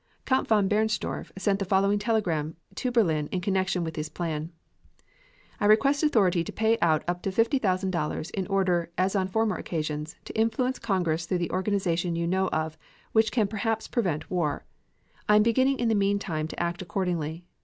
Count von Bernstorff sent the following telegram to Berlin in connection with his plan: I request authority to pay out up to $50,000 in order, as on former occasions, to influence Congress through the organization you know of, which can perhaps prevent war. I am beginning in the meantime to act accordingly.